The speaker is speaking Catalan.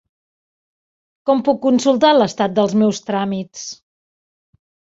Com puc consultar l'estat dels meus tràmits?